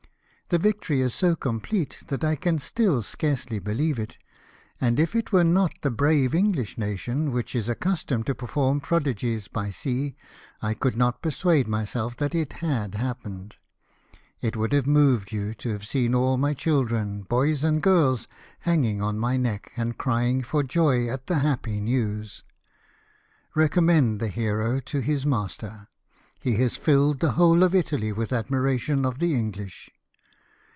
The victory is so complete that I can still scarcely believe it ; and if it were not the brave English nation, which is accustomed to perform prodigies by sea, I could not persuade myself that it had happened. It would have moved you to have seen all my children, boys and girls, hanging on my neck, and crying for joy at the happy news. Recommend the hero to his master ; he has filled the whole of Italy with admira tion of the English.